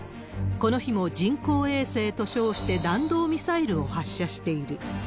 この日も人工衛星と称して弾道ミサイルを発射している。